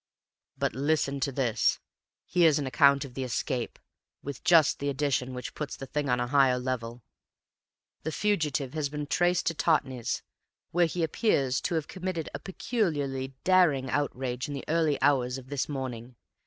"But listen to this; here's an account of the escape, with just the addition which puts the thing on a higher level. 'The fugitive has been traced to Totnes, where he appears to have committed a peculiarly daring outrage in the early hours of this morning.